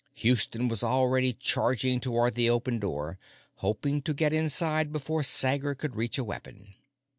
Houston was already charging toward the open door, hoping to get inside before Sager could reach a weapon.